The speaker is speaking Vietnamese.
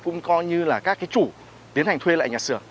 cũng coi như là các chủ tiến hành thuê lại nhà sửa